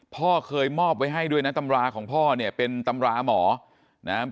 พ่อเคยมอบไว้ให้ด้วยนะตำราของพ่อเนี่ยเป็นตำราหมอนะครับ